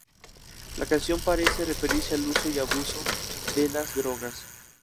La canción parece referirse al uso y abuso de las drogas.